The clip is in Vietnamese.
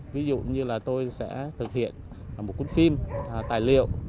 ví dụ như là tôi sẽ thực hiện một cuốn phim tài liệu